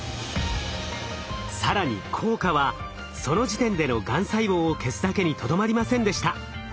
更に効果はその時点でのがん細胞を消すだけにとどまりませんでした。